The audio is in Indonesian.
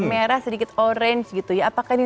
merah sedikit orange gitu ya apakah ini